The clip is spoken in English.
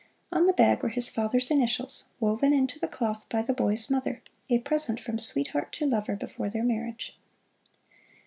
On the bag were his father's initials, woven into the cloth by the boy's mother a present from sweetheart to lover before their marriage.